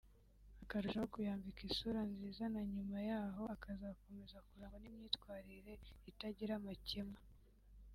akarushaho kuyambika isura nziza na nyuma y’aho akazakomeza kurangwa n’imyatwarire itagira amakemwa